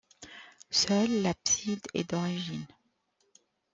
Seule l'abside est d'origine.